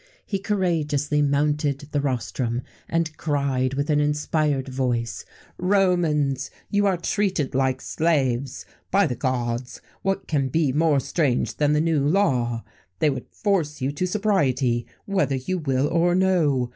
He courageously mounted the rostrum, and cried, with an inspired voice: "Romans! you are treated like slaves. By the gods! what can be more strange than the new law? They would force you to sobriety, whether you will or no!